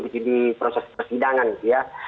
jadi proses persidangan gitu ya